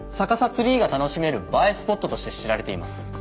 ツリーが楽しめる映えスポットとして知られています。